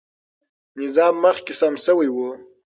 نظام مخکې سم سوی و.